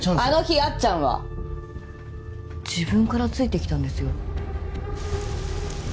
あの日あっちゃんは自分からついて来たんですよ？